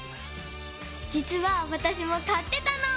じつはわたしもかってたの！